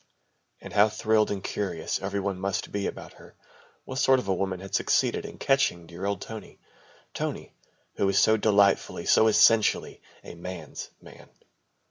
And how thrilled and curious every one must be about her. What sort of a woman had succeeded in catching dear old Tony! Tony, who was so delightfully, so essentially, a man's man.